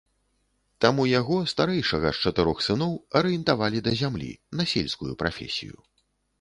Таму яго, старэйшага з чатырох сыноў, арыентавалі да зямлі, на сельскую прафесію.